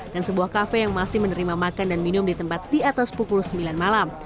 dan sebuah kafe yang masih menerima makan dan minum di tempat di atas pukul sembilan malam